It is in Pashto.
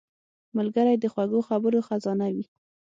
ملګری د خوږو خبرو خزانه وي